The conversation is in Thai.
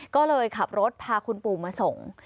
ก็เลยขับรถพาคุณปู่มาส่ง